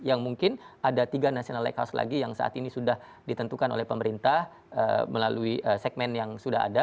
yang mungkin ada tiga national lighthouse lagi yang saat ini sudah ditentukan oleh pemerintah melalui segmen yang sudah ada